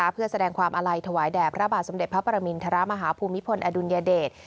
เพื่อแสดงความอาลัยถวายแด่พระบาทสมเด็จพระปรมินทรมาฮภูมิพลอดุลยเดช